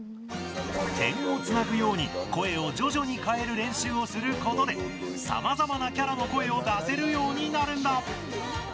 点をつなぐように声を徐々に変える練習をすることでさまざまなキャラの声を出せるようになるんだ。